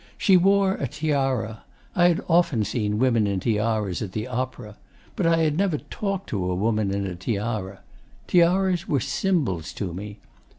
She wore a tiara. I had often seen women in tiaras, at the Opera. But I had never talked to a woman in a tiara. Tiaras were symbols to me.